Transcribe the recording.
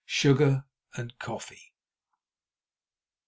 —sugar and coffee.